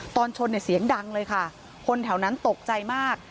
ตอนชนเนี่ยเสียงดังเลยค่ะคนแถวนั้นตกใจมาก